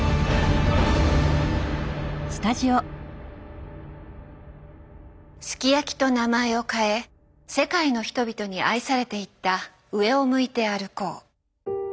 「ＳＵＫＩＹＡＫＩ」と名前を変え世界の人々に愛されていった「上を向いて歩こう」。